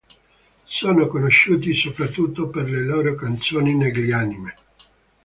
Sono conosciuti soprattutto per le loro canzoni negli Anime